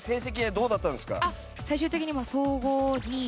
最終的には。